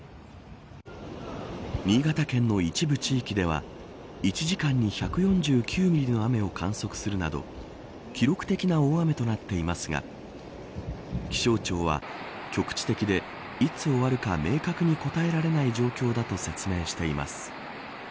新潟県の一部地域では１時間に１４９ミリの雨を観測するなど記録的な大雨となっていますが気象庁は局地的でいつ終わるか明確に答えられない状況だと説明しています。